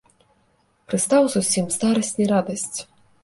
Прыстаў зусім, старасць не радасць.